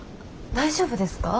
大丈夫ですか？